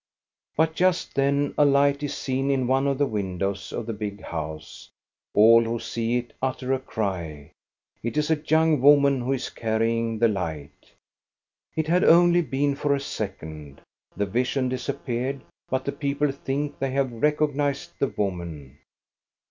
But just then a light is seen in one of the windows of the big house. All who see it utter a cry. It is a young woman who is carrying the light. THE BROOM GIRL 411 It had only been for a second. The vision dis appeared ; but the people think they have recognized the woman.